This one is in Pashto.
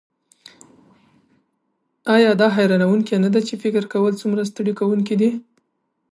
ایا دا حیرانوونکې نده چې فکر کول څومره ستړي کونکی دي